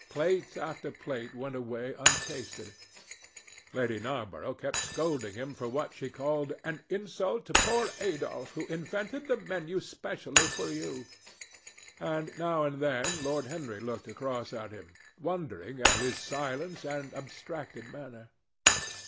Plate after plate went away untasted. Lady Narborough kept scolding him for what she called "an insult to poor Adolphe, who invented the menu specially for you," and now and then Lord Henry looked across at him, wondering at his silence and abstracted manner.